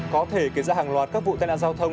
có thể kể ra hàng loạt các vụ tai nạn giao thông